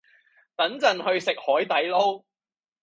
等陣去食海地撈